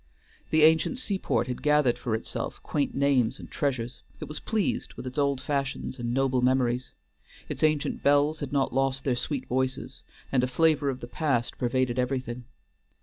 The ancient seaport had gathered for itself quaint names and treasures; it was pleased with its old fashions and noble memories; its ancient bells had not lost their sweet voices, and a flavor of the past pervaded everything.